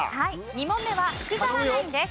２問目は福澤ナインです。